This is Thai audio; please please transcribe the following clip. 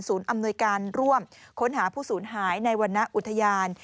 อำนวยการร่วมค้นหาผู้สูญหายในวรรณอุทยาน